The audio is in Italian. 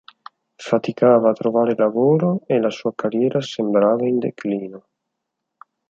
Faticava a trovare lavoro e la sua carriera sembrava in declino.